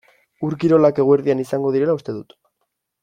Ur-kirolak eguerdian izango direla uste dut.